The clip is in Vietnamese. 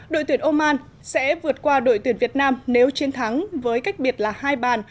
đội tuyển oman sẽ vượt qua đội tuyển việt nam nếu chiến thắng với cách biệt là hai bàn